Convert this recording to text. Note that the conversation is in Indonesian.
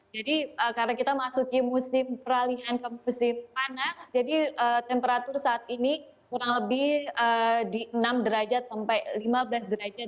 jadi karena kita masukin musim peralihan ke musim panas jadi temperatur saat ini kurang lebih di enam derajat sampai lima belas derajat